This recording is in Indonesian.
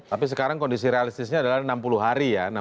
tapi sekarang kondisi realistisnya adalah enam puluh hari ya